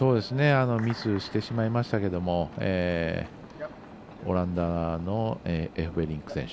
ミスしてしまいましたがオランダのエフベリンク選手